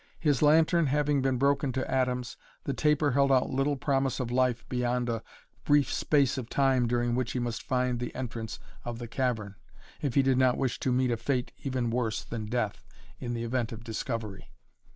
His lantern having been broken to atoms, the taper held out little promise of life beyond a brief space of time during which he must find the entrance of the cavern, if he did not wish to meet a fate even worse than death in the event of discovery.